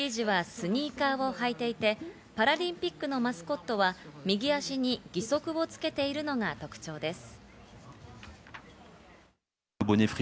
フリージュはスニーカーを履いていて、パラリンピックのマスコットは右足に義足をつけているのが特徴です。